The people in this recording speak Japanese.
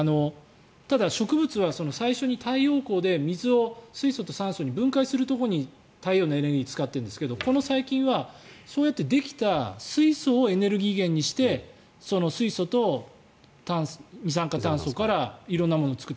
ただ植物は最初に太陽光で水を水素に分解するところに太陽のエネルギーを使ってるんですけどこの細菌はそうやってできた水素を水素と二酸化炭素から色んなものを作る。